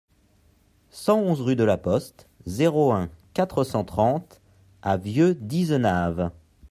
cent onze rue de la Poste, zéro un, quatre cent trente à Vieu-d'Izenave